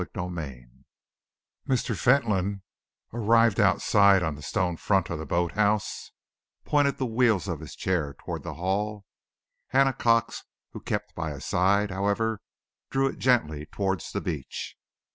CHAPTER XXXV Mr. Fentolin, arrived outside on the stone front of the boat house, pointed the wheel of his chair towards the Hall. Hannah Cox, who kept by his side, however, drew it gently towards the beach.